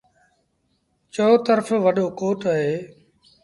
چئو ترڦ وڏو ڪوٽ اهي۔